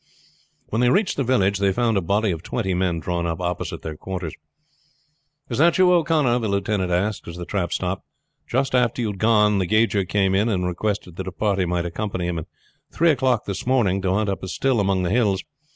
When they reached the village they found a body of twenty men drawn up opposite their quarters. "Is that you, O'Connor?" the lieutenant asked as the trap stopped. "Just after you had gone the gauger came in and requested that a party might accompany him at three o'clock this morning to hunt up a still among the hills.